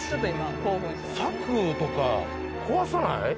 柵とか壊さない？